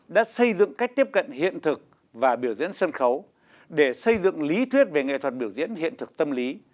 đã xây dựng cách tiếp cận hiện thực và biểu diễn sân khấu để xây dựng lý thuyết về nghệ thuật biểu diễn hiện thực tâm lý